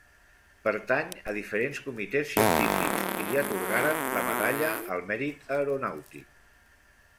Pertany a diferents comitès científics i li atorgaren la Medalla al Mèrit Aeronàutic.